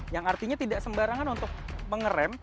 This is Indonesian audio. yang artinya tidak sembarangan untuk mengerem